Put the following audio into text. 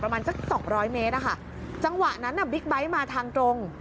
ประมาณสัก๒๐๐เมตรจังหวะนั้นบิ๊กไบท์มาทางตรง